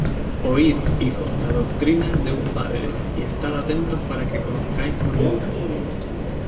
Oid, hijos, la doctrina de un padre, Y estad atentos para que conozcáis cordura.